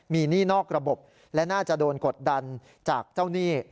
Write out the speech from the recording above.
มีหนี้นอกระบบและน่าจะโดนกดดันจากเจ้าหนี้